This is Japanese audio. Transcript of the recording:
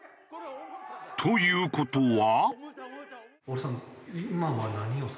という事は。